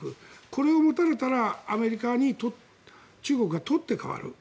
これを持たれたらアメリカに中国が取って代わる。